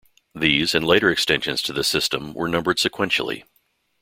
These, and later extensions to the system, were numbered sequentially.